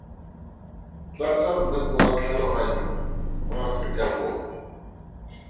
Tlatsa mmepe wa tlhaloganyo mo Aforikaborwa.